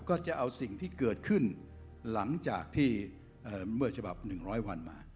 ก็จะเอาสิ่งที่เกิดขึ้นหลังจากที่เมื่อฉบับ๑๐๐วันมา